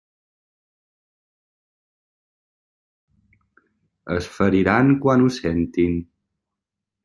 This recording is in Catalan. Es feriran quan ho sentin.